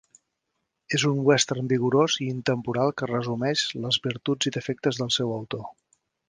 És un western vigorós i intemporal que resumeix les virtuts i defectes del seu autor.